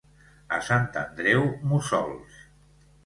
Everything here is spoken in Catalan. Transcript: A Sant Andreu, mussols.